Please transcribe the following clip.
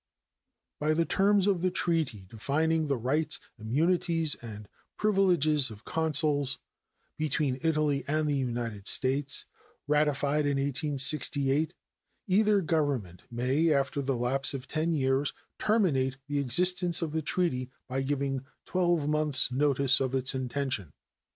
By the terms of the treaty defining the rights, immunities, and privileges of consuls, between Italy and the United States, ratified in 1868, either Government may, after the lapse of ten years, terminate the existence of the treaty by giving twelve months' notice of its intention.